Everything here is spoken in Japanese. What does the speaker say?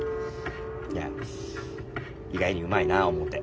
いや意外にうまいな思うて。